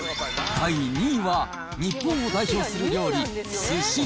第２位は、日本を代表する料理、すし。